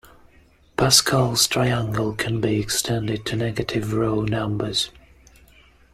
Pascal's triangle can be extended to negative row numbers.